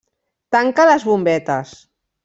Tanca les bombetes.